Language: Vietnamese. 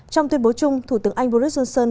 trong tuyên bố chung thủ tướng anh boris johnson